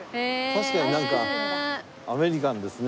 確かになんかアメリカンですね。